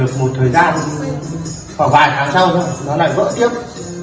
được một thời gian khoảng vài tháng sau nó lại vỡ tiếp